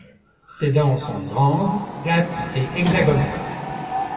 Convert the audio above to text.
Ses dents sont grandes, plates et hexagonales.